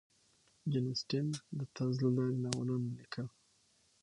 جین اسټن د طنز له لارې ناولونه لیکل.